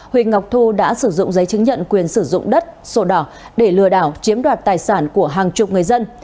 huỳnh ngọc thu đã sử dụng giấy chứng nhận quyền sử dụng đất sổ đỏ để lừa đảo chiếm đoạt tài sản của hàng chục người dân